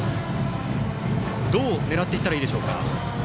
どう狙っていったらいいでしょうか。